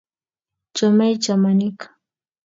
chomei chamanik